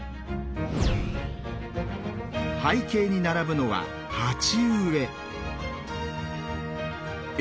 背景に並ぶのは鉢植え。